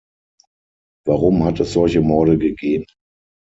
Warum hat es solche Morde gegeben?